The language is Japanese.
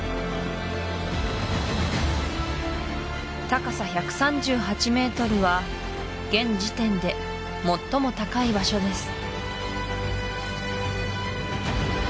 高さ１３８メートルは現時点で最も高い場所です